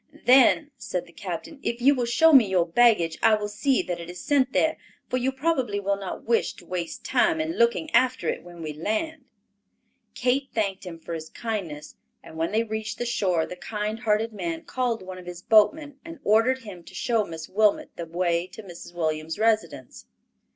"Then," said the captain, "if you will show me your baggage, I will see that it is sent there, for you probably will not wish to waste time in looking after it when we land." Kate thanked him for his kindness; and when they reached the shore the kind hearted man called one of his boatmen and ordered him to show Miss Wilmot the way to Mrs. Williams' residence.